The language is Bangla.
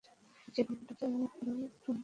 সেই গল্পটাকে ওরা ঠুনকো এক গোঁজামিলে পরিণত করেছে।